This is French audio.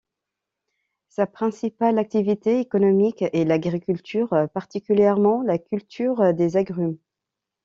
Sa principale activité économique est l'agriculture, particulièrement la culture des agrumes.